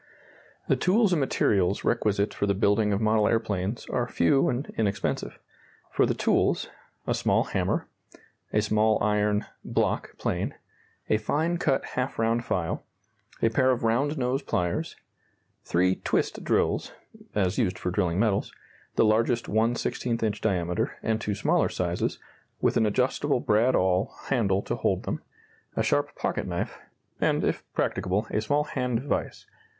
The tools and materials requisite for the building of model aeroplanes are few and inexpensive. For the tools a small hammer; a small iron "block" plane; a fine cut half round file; a pair of round nose pliers; three twist drills (as used for drilling metals), the largest 1/16 inch diameter, and two smaller sizes, with an adjustable brad awl handle to hold them; a sharp pocket knife; and, if practicable, a small hand vise.